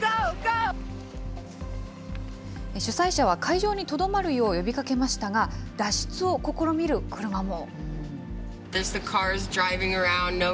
主催者は会場にとどまるよう呼びかけましたが、脱出を試みる車も。